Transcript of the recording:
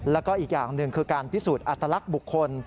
แล้วก็อีกอย่างหนึ่งคือการพิสูจน์อัตลักษณ์บุคคล